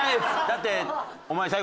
だってお前。